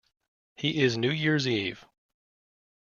He is New Year's Eve.